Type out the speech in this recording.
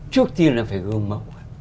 trước tiên là phải gương mộc